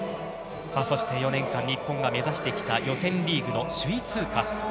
そして４年間日本が目指してきた予選リーグ首位通過。